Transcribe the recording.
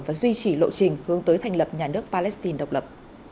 và duy trì lộ trình hướng tới thành lập nhà nước palestine độc lập